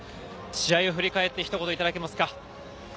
試合を振り返って、ひと言いただけますか？